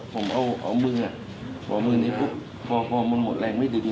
ผมเอามือมื้อมื้อนี้ปุ๊บมันหมดแรงไม่ดึงเลย